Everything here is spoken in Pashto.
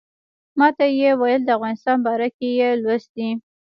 ماته یې ویل د افغانستان باره کې یې لوستي.